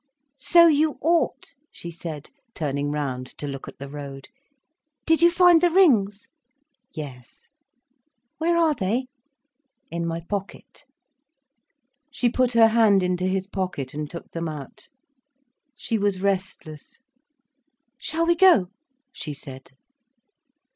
"So you ought," she said, turning round to look at the road. "Did you find the rings?" "Yes." "Where are they?" "In my pocket." She put her hand into his pocket and took them out. She was restless. "Shall we go?" she said.